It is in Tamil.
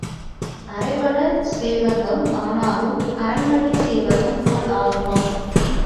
அரைப்பணச் சேவகம் ஆனாலும் அரண்மனைச் சேவகம் போல் ஆகுமா?